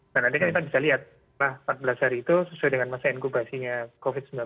dan nanti kan kita bisa lihat empat belas hari itu sesuai dengan masa inkubasinya covid sembilan belas